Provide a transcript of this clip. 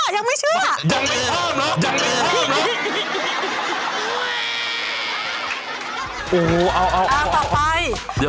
อย่างไม่เชื่อ